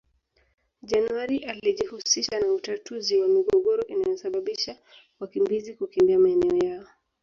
January alijihusisha na utatuzi wa migogoro inayosabababisha wakimbizi kukimbia maeneo yao